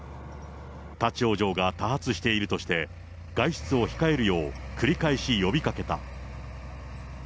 立往生が多発しているとして、外出を控えるよう、繰り返し呼びかけた。